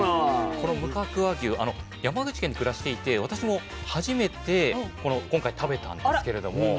この無角和牛山口県に暮らしていて私も初めて今回食べたんですけれども。